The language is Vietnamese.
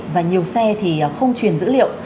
và nhiều xe thì không truyền dữ liệu